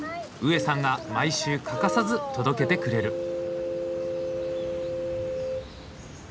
ウエさんが毎週欠かさず届けてくれる。